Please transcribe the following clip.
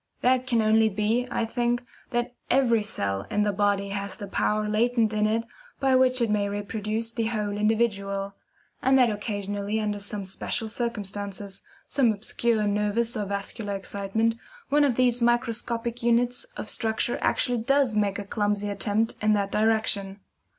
That can only be, I think, that EVERY cell in the body has the power latent in it by which it may reproduce the whole individual and that occasionally under some special circumstances some obscure nervous or vascular excitement one of these microscopic units of structure actually does make a clumsy attempt in that direction.